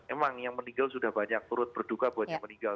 emang yang meninggal sudah banyak turut berduka buat yang meninggal